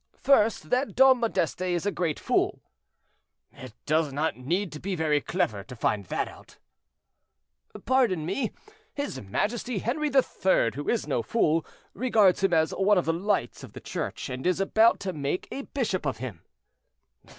"First, that Dom Modeste is a great fool." "It does not need to be very clever to find that out." "Pardon me; his majesty Henri the Third, who is no fool, regards him as one of the lights of the Church, and is about to make a bishop of him."